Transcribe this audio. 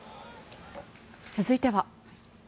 続いては。